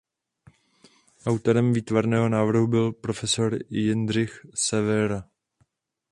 Autorem výtvarného návrhu byl profesor Jindřich Severa.